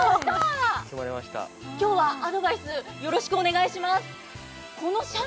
今日はアドバイス、よろしくお願いします。